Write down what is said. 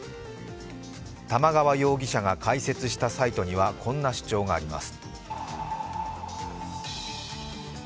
玉川容疑者が開設したサイトにはこんな主張があります。